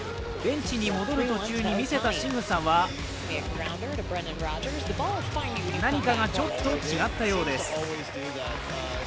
ベンチに戻る途中に見せたしぐさは何かがちょっと違ったようです。